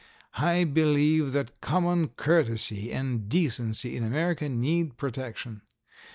I believe that common courtesy and decency in America need protection.